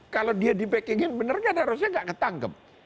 kalau dia di packing in bener kan harusnya tidak ketangkep